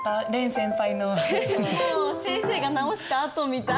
もう先生が直したあとみたい。